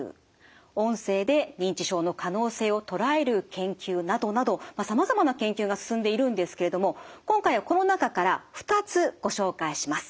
音声で認知症の可能性を捉える研究などなどさまざまな研究が進んでいるんですけれども今回はこの中から２つご紹介します。